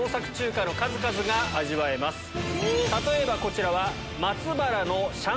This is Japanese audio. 例えばこちらは。